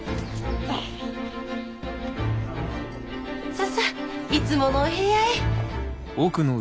ささいつものお部屋へ。